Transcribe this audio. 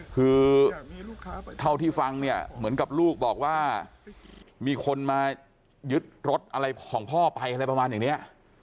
คือเท่าที่ฟังเนี่ยเหมือนกับลูกบอกว่ามีคนมายึดรถอะไรของพ่อไปอะไรประมาณอย่างนี้